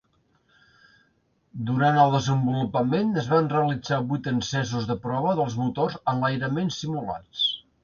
Durant el desenvolupament es van realitzar vuit encesos de prova dels motors a enlairaments simulats.